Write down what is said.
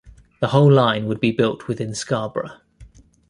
The whole line would be built within Scarborough.